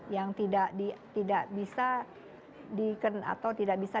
yang tidak bisa